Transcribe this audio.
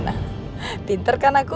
gimana pinter kan aku